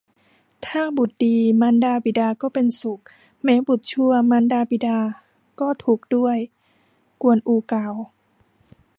ถ้าบุตรดี มารดาบิดาก็เป็นสุข แม้บุตรชั่ว มารดาบิดาก็ทุกข์ด้วย กวนอูกล่าว